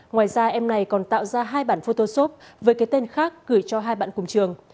ngoài ra em này còn tạo ra hai bản photosoft với cái tên khác gửi cho hai bạn cùng trường